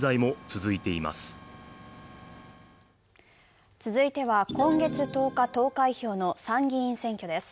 続いては、今月１０日投開票の参議院選挙です。